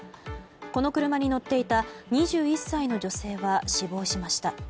この車に乗っていた２１歳の女性は死亡しました。